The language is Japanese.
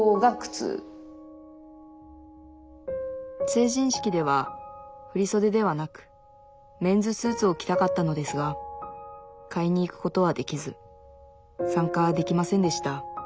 成人式では振り袖ではなくメンズスーツを着たかったのですが買いに行くことはできず参加できませんでした